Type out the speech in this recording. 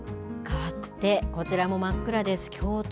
かわって、こちらも真っ暗です。